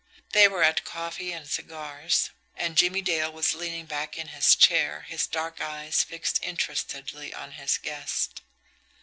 They were at coffee and cigars, and Jimmie Dale was leaning back in his chair, his dark eyes fixed interestedly on his guest.